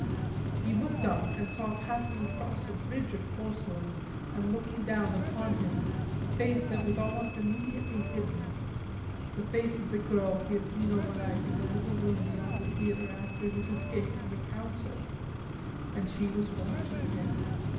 He looked up and saw passing across a bridge of porcelain and looking down upon him, a face that was almost immediately hidden, the face of the girl he had seen overnight in the little room beyond the theatre after his escape from the Council. And she was watching him.